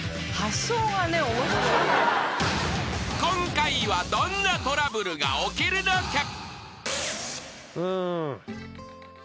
［今回はどんなトラブルが起きるのか？］